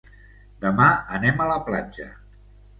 Demà anem a la platja.